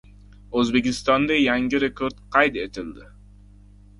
O‘zbekistonda yangi rekord qayd etildi